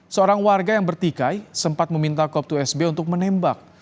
seorang warga yang bertikai sempat meminta kop dua sb untuk menembak